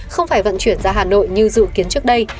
không phải vận chuyển ra hà nội như dự kiến trước đây